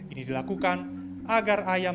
ini dilakukan agar ayam